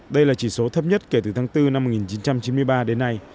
đây là chỉ số thấp nhất kể từ tháng bốn năm một nghìn chín trăm chín mươi ba đến nay